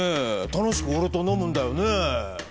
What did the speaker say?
楽しく俺と飲むんだよね？